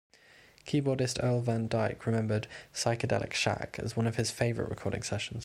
Keyboardist Earl Van Dyke remembered "Psychedelic Shack" as one of his favorite recording sessions.